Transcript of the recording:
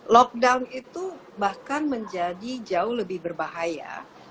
lockdown itu bahkan menjadi jauh lebih berbahaya